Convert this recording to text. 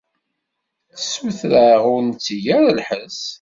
Tessuter-aɣ ur netteg ara lḥess.